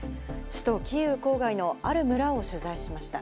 首都キーウ郊外のある村を取材しました。